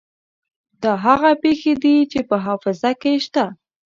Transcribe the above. دا هغه پېښې دي چې په حافظه کې شته.